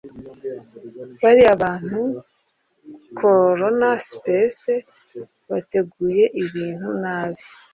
bariya bantu (Corona Space) bateguye ibintu nabi